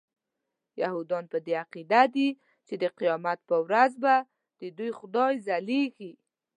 یهودان په دې عقیده دي چې د قیامت په ورځ به ددوی خدای ځلیږي.